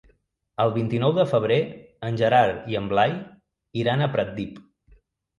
El vint-i-nou de febrer en Gerard i en Blai iran a Pratdip.